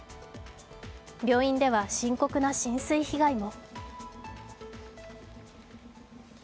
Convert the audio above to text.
病院では深刻な浸水被害も。